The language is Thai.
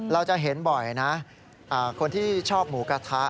เราจะเห็นบ่อยนะคนที่ชอบหมูกระทะ